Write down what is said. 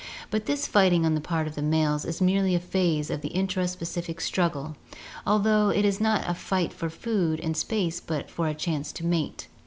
But this fighting on the part of the males is merely a phase of the intra specific strug gle, although it is not a fight for food and space but for a chance to mate.